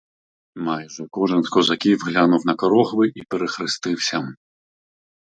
Майже кожен з козаків глянув на корогви й перехрестився.